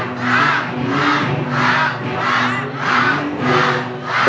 ฮับ